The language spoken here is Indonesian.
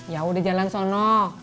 ya udah jalan sana